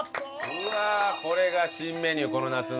うわあこれが新メニューこの夏の。